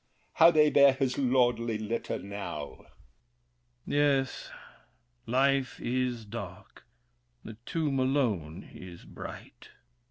how they bear his lordly litter now! THE KING. Yes, life is dark; the tomb alone is bright.